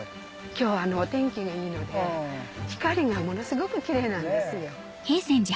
今日はお天気がいいので光がものすごくキレイなんですよ。